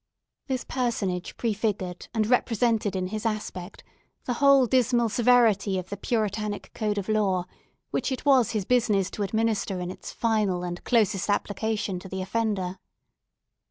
This personage prefigured and represented in his aspect the whole dismal severity of the Puritanic code of law, which it was his business to administer in its final and closest application to the offender.